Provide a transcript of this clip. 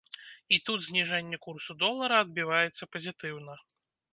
І тут зніжэнне курсу долара адбіваецца пазітыўна.